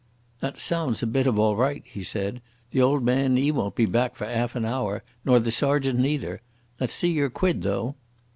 "That sounds a bit of all right," he said. "The old man 'e won't be back for 'alf an hour, nor the sergeant neither. Let's see your quid though."